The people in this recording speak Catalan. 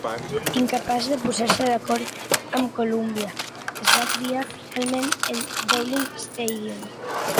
Incapaç de posar-se d'acord amb Columbia, es va triar finalment el Downing Stadium.